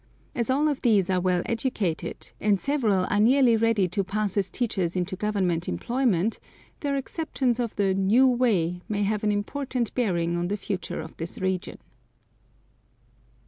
As all of these are well educated, and several are nearly ready to pass as teachers into Government employment, their acceptance of the "new way" may have an important bearing on the future of this region.